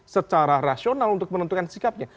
secara rasional untuk menentukan sikapnya